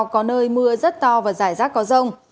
có nơi mưa rất to và rải rác có rông